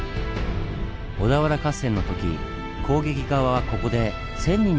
小田原合戦の時攻撃側はここで１，０００人の犠牲者を出しました。